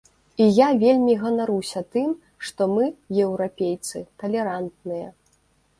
І я вельмі ганаруся тым, што мы, еўрапейцы, талерантныя.